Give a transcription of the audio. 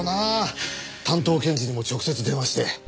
担当検事にも直接電話して。